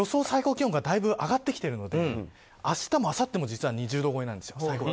最高気温がだいぶ上がってきているので明日もあさっても実は２０度超えなんですよ。